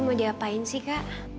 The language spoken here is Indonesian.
mau diapain sih kak